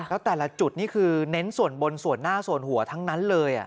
แล้วแต่ละจุดนี่คือเน้นส่วนบนส่วนหน้าส่วนหัวทั้งนั้นเลย